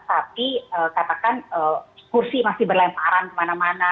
tapi katakan kursi masih berlemparan kemana mana